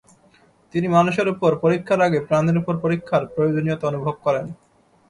তিনি মানুষের ওপর পরীক্সার আগে প্রাণির উপর পরীক্ষার প্রয়োজনীয়তা অনুভব করেন।